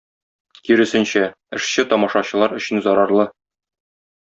Киресенчә, эшче тамашачылар өчен зарарлы.